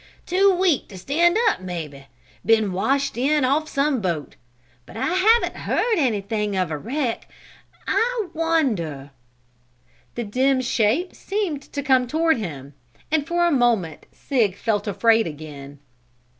"Too weak to stand up, maybe. Been washed in off some boat. But I haven't heard anything of a wreck. I wonder " The dim shape seemed to come toward him, and for a moment Sig felt afraid again.